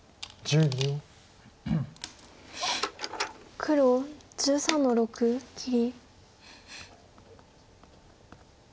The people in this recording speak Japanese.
黒１３の六切り。